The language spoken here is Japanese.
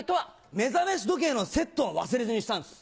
目覚まし時計のセットは忘れずにしたんです。